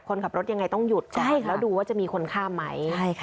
คนขับรถยังไงต้องหยุดแล้วดูว่าจะมีคนข้ามไหม